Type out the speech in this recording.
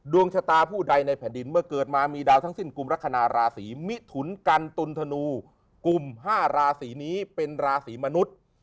ดวงชะตาผู้ใดในแผ่นดินเมื่อเกิดมามีดาวทั้งสิ้นกลุ่มลักษณะราศีมิถุนกันตุลธนูกลุ่ม๕ราศีนี้เป็นราศีมนุษย์